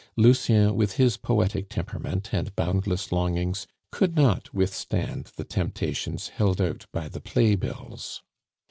Lucien, with his poetic temperament and boundless longings, could not withstand the temptations held out by the play bills.